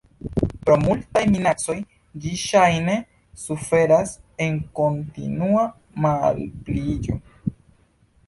Pro multaj minacoj ĝi ŝajne suferas el kontinua malpliiĝo.